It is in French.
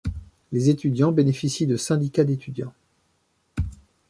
Les étudiants bénéficient de syndicats d’étudiants.